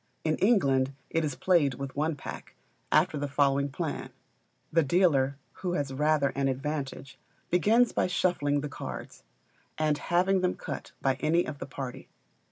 In England it is played with one pack, after the following plan: The dealer, who has rather an advantage, begins by shuffling the cards, and having them cut by any of the party.